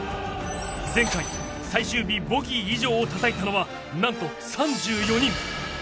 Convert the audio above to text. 前回、最終日ボギー以上をたたいたのはなんと３４人。